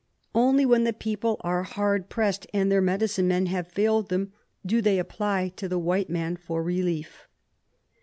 Only when the people are hard pressed and their medicine men have failed them do they apply to the white man for relief."